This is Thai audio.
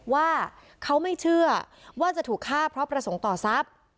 ว่าเขาไม่เชื่อว่าจะถูกฆ่าเพราะประสงค์ต่อทรัพย์